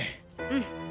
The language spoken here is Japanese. うん。